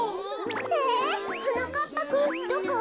えはなかっぱくんどこ？